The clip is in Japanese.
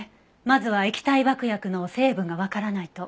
まずは液体爆薬の成分がわからないと。